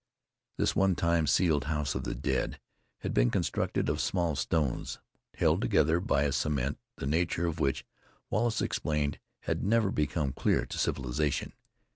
This one time sealed house of the dead had been constructed of small stones, held together by a cement, the nature of which, Wallace explained, had never become clear to civilization.